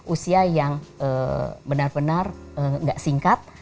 usia yang benar benar nggak singkat